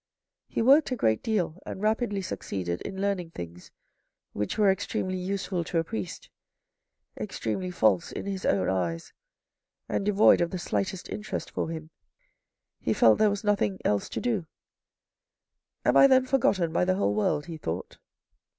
He worked a great deal and rapidly succeeded in learning things which were extremely useful to a priest, extremely false in his own eyes, and devoid of the slightest interest for him. He felt there was nothing else to do. " Am I then forgotten by the whole world," he thought.